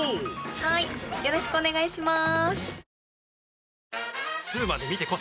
はーいよろしくお願いします。